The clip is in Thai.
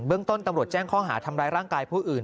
เรื่องต้นตำรวจแจ้งข้อหาทำร้ายร่างกายผู้อื่น